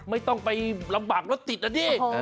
ไม่ต้องไปลำบากรถติดนะดิ